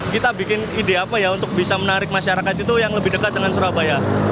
kita bikin ide apa ya untuk bisa menarik masyarakat itu yang lebih dekat dengan surabaya